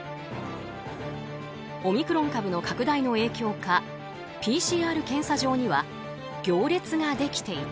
オミクロン株の拡大の影響かＰＣＲ検査場には行列ができていた。